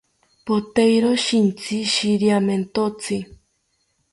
Poteiro shintsi shiriamentotzi